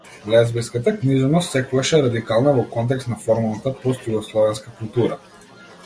Лезбејската книжевност секогаш е радикална во контекст на формалната постјугословенска култура.